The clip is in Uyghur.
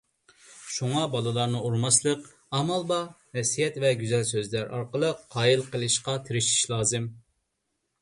شۇڭا بالىلارنى ئۇرماسلىق، ئامال بار نەسىھەت ۋە گۈزەل سۆزلەر ئارقىلىق قايىل قىلىشقا تىرىشىش لازىم.